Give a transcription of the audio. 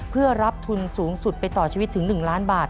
เพื่อรับทุนสูงสุดไปต่อชีวิตถึง๑ล้านบาท